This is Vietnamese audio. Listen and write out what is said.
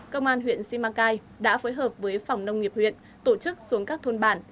công an huyện simacai đã phối hợp với phòng nông nghiệp huyện tổ chức xuống các thôn bản